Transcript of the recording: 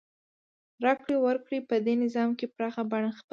راکړې ورکړې په دې نظام کې پراخه بڼه خپله کړه.